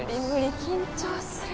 緊張する。